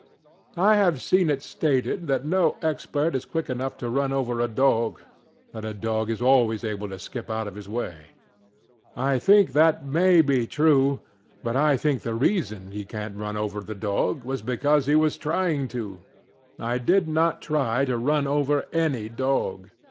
I have seen it stated that no expert is quick enough to run over a dog; that a dog is always able to skip out of his way. I think that that may be true: but I think that the reason he couldnŌĆÖt run over the dog was because he was trying to. I did not try to run over any dog.